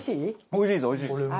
おいしいですおいしいです。